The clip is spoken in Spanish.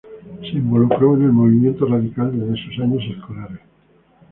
Se involucró en el movimiento radical desde sus años escolares.